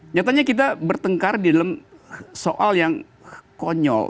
nyatanya kita bertengkar di dalam soal yang konyol